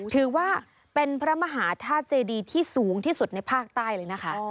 ถือว่าเป็นพระมหาธาตุเจดีที่สูงที่สุดในภาคใต้เลยนะคะ